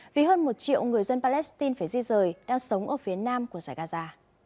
vì hơn một triệu người dân palestine phải di rời đang sống ở phía nam của giải gaza